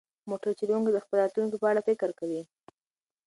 موټر چلونکی د خپل راتلونکي په اړه فکر کوي.